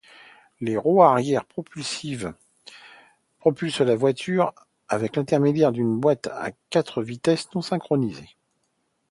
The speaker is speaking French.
Les roues arrière propulsent la voiture par l'intermédiaire d'une boîte à quatre vitesses non-synchronisée.